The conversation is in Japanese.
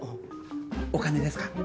お金ですか？